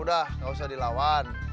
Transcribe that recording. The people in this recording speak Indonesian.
udah nggak usah dilawan